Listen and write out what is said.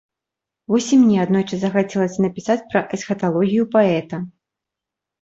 Вось і мне аднойчы хацелася напісаць пра эсхаталогію паэта.